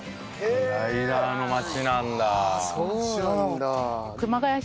グライダーの街なんだ。